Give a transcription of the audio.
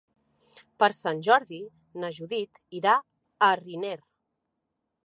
Per Sant Jordi na Judit irà a Riner.